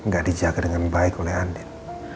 gak dijaga dengan baik oleh andin